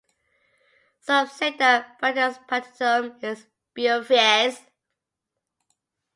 Some say that Bratuspantium is Beauvais.